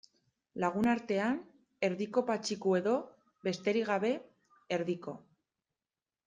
Lagunartean, Erdiko Patxiku edo, besterik gabe, Erdiko.